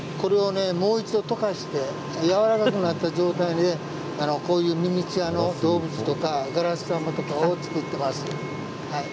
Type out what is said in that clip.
もう一度溶かしてやわらかくなった状態でミニチュアの道具とかガラス玉を作っています。